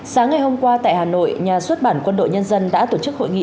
sáng ngày hôm qua tại hà nội nhà xuất bản quân đội nhân dân đã tổ chức hội nghị